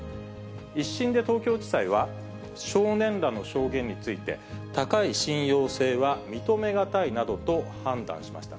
１審で東京地裁は少年らの証言について、高い信用性は認めがたいなどと判断しました。